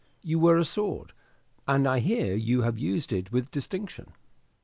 "You wear a sword, and I hear you have used it with distinction."